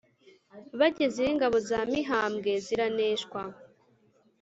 bagezeyo ingabo za mihambwe ziraneshwa